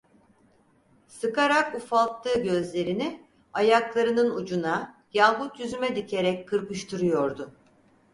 Sıkarak ufalttığı gözlerini ayaklarının ucuna, yahut yüzüme dikerek kırpıştırıyordu.